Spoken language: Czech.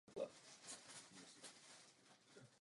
Zajišťuje také nezávislé hlasování pro projekty nadace Wikimedia.